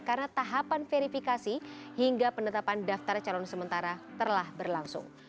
karena tahapan verifikasi hingga penetapan daftar calon sementara terlah berlangsung